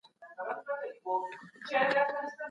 موږ به د خپلو اقتصادي پلانونو پر پلي کولو کار کوو.